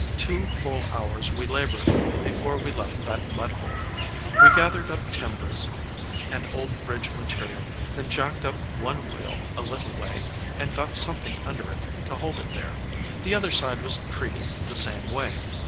Two full hours we labored before we left that mud hole. We gathered up timbers and old bridge material, then jacked up one wheel a little way, and got something under it to hold it there. The other side was treated the same way.